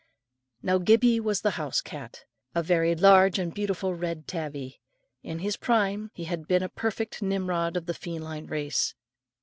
Now Gibbie was the house cat, a very large and beautiful red tabby. In his prime he had been a perfect Nimrod of the feline race.